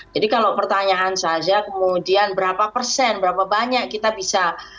jadi kalau pertanyaan saja kemudian berapa persen berapa banyak kita bisa